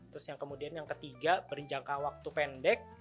terus yang kemudian yang ketiga berjangka waktu pendek